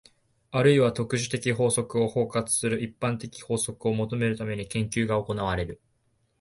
あるいは特殊的法則を包括する一般的法則を求めるために、研究が行われる。